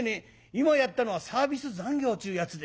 今やったのはサービス残業ちゅうやつでな。